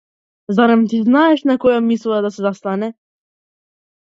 Зарем ти знаеш на која мисла да се застане!